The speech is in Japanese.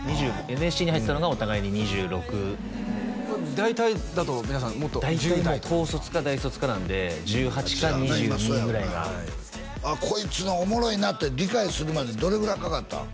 ＮＳＣに入ったのがお互いに２６大体だと皆さんもっと大体もう高卒か大卒かなんで１８か２２ぐらいが「あっこいつおもろいな」って理解するまでどれぐらいかかったん？